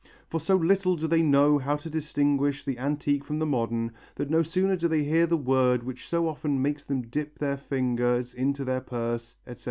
For so little do they know how to distinguish the antique from the modern, that no sooner do they hear the word which so often makes them dip their fingers into their purse, etc."